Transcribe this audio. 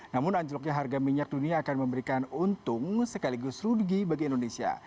namun anjloknya harga minyak dunia akan memberikan untung sekaligus rugi bagi indonesia